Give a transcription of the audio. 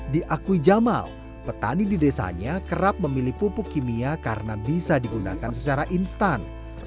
diakui jamal petani di desanya kerap memilih pupuk kimia karena bisa digunakan secara instan